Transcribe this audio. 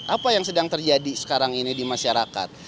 apa yang sedang terjadi sekarang ini di masyarakat